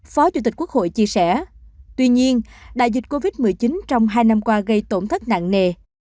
phó chủ tịch quốc hội chia sẻ tuy nhiên đại dịch covid một mươi chín trong hai năm qua gây tổn thất nặng nề